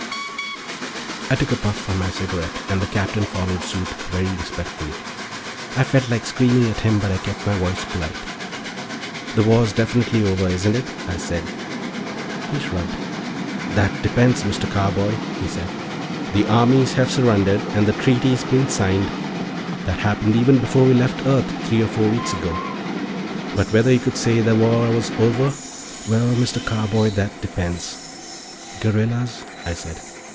I took a puff on my cigarette, and the Captain followed suit, very respectfully. I felt like screaming at him but I kept my voice polite. "The war's definitely over, isn't it?" I said. He shrugged. "That depends, Mr. Carboy," he said. "The armies have surrendered, and the treaty's been signed. That happened even before we left Earth three or four weeks ago. But whether you could say the war was over ... well, Mr Carboy, that depends." "Guerrillas," I said.